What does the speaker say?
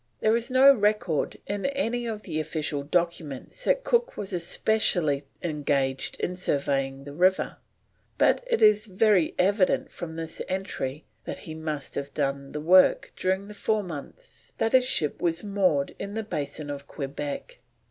There is no record in any of the official documents that Cook was specially engaged in surveying the river, but it is very evident from this entry that he must have done the work during the four months that his ship was moored in the Basin of Quebec.